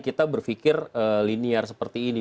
kita berpikir linear seperti ini